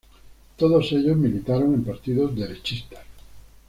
Todos ellos militaron en partidos derechistas.